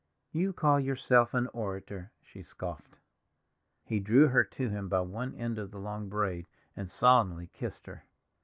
"You call yourself an orator!" she scoffed. He drew her to him by one end of the long braid, and solemnly kissed her.